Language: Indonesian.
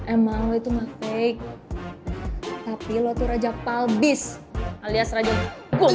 emang lo itu gak fake tapi lo tuh raja palbis alias raja gumbang